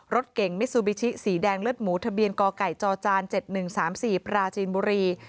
รถเก่งมิซูบิชิสีแดงเลือดหมูทะเบียนกไก่จจ๗๑๓๔ปราจีนบุรี